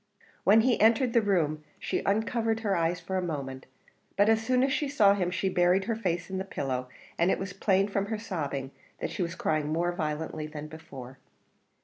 When he entered the room she uncovered her eyes for a moment; but as soon as she saw him she buried her face in the pillow, and it was plain from her sobbing that she was crying more violently than before.